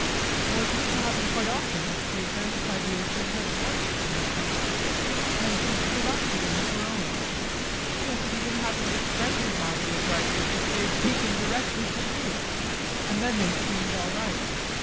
For it used to happen quite often that she advanced ideas that had once been mine, and that she stood up for them as her own. Yes, it even happened that friends of mine gave her ideas which they had taken directly from me, and then they seemed all right.